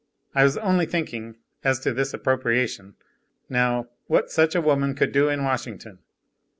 I was only thinking, as to this appropriation, now, what such a woman could do in Washington.